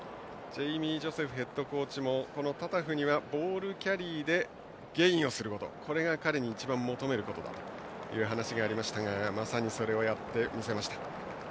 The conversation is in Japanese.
ジェイミー・ジョセフヘッドコーチもこのタタフにはボールキャリーでゲインをすることこれが彼に一番求めることだという話がありましたがまさにそれをやって見せました。